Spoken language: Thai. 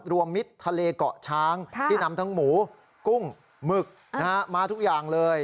มิดทะเลเกาะช้างที่นำทั้งหมูกุ้งหมึกมาทุกอย่างเลย